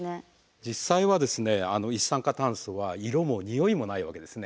実際は一酸化炭素は色もにおいもないわけですね。